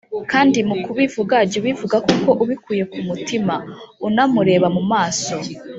kandi mu kubivuga jya ubivuga koko ubikuye ku mutima, unamureba mu maso.